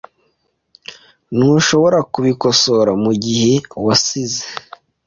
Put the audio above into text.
Ntushobora kubikosora mugihe wasize .